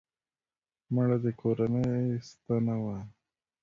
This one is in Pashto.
مړه د کورنۍ ستنه وه